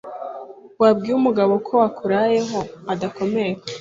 Wambwiye umugabo ko wakurayeho adakomereka